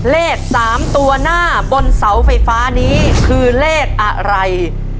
เลข๓ตัวหน้าบนเสาไฟฟ้านี้คือเลขอะไร